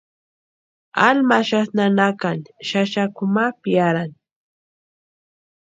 Alma axasti nanakani xaxakwa ma piarani.